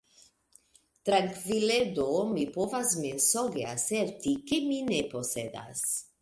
Trankvile do mi povas mensoge aserti, ke mi ne posedas.